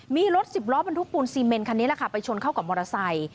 มีรถสิบล้อบรรทุกปูนซีเมนคันนี้แหละค่ะไปชนเข้ากับมอเตอร์ไซค์